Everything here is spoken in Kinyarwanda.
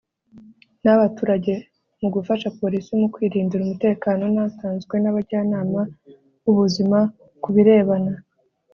n abaturage mu gufasha polisi mu kwirindira umutekano n atanzwe n abajyanama b ubuzima ku birebana